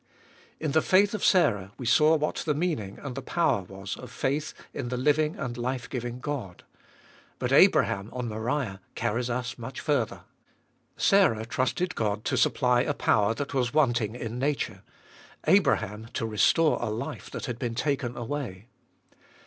In the faith of Sarah we saw what the meaning and the power was of faith in the living and life giving God. But Abraham on Moriah carries us much further. Sarah trusted God to supply a power that was wanting in nature ; Abraham to restore a life that had been taken away.